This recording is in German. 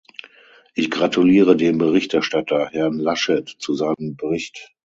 Ich gratuliere dem Berichterstatter, Herrn Laschet, zu seinem Bericht.